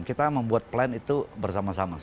kita membuat plan itu bersama sama